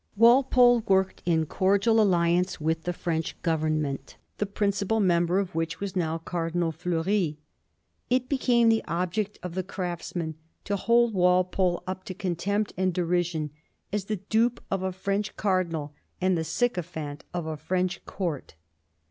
Walpole worked in cordial alliance with the French Government, the principal member of which was now Cardinal Fleury. It became the object of the Craftsman to hold Walpole up to contempt and derision, as the dupe of a French Cardinal and the sycophant of a French Court.